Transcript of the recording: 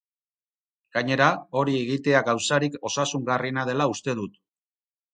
Gainera, hori egitea gauzarik osasungarriena dela uste dut.